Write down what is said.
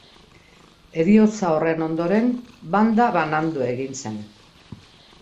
Heriotza horren ondoren, banda banandu egin zen.